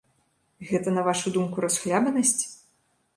Гэта, на вашу думку, расхлябанасць?